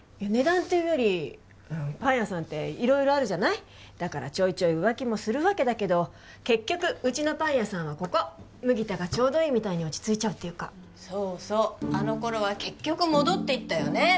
値段っていうよりパン屋さんって色々あるじゃないだからちょいちょい浮気もするわけだけど結局うちのパン屋さんはここ麦田がちょうどいいみたいに落ち着いちゃうっていうかそうそうあの頃は結局戻っていったよね